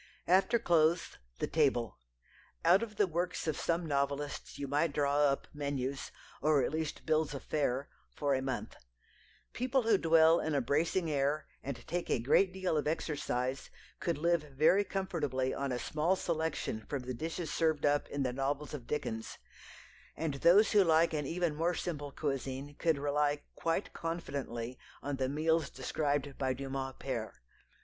After clothes, the table. Out of the works of some novelists you might draw up menus, or at least bills of fare, for a month. People who dwell in a bracing air, and take a great deal of exercise, could live very comfortably on a small selection from the dishes served up in the novels of Dickens, and those who like an even more simple cuisine could rely quite confidently on the meals described by Dumas père.